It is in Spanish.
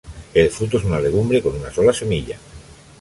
El fruto es una legumbre con una sola semilla.